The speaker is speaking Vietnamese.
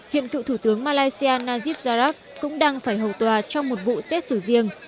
hiện cựu thủ tướng malaysia najib jarak cũng đang phải hầu tòa trong một vụ xét xử riêng